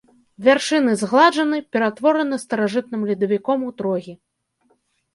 Вяршыні згладжаны, ператвораны старажытным ледавіком у трогі.